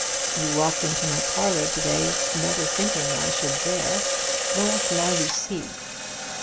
You walked into my parlor to day, never thinking I should dare. Well, now you see."